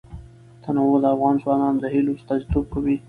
تنوع د افغان ځوانانو د هیلو استازیتوب کوي.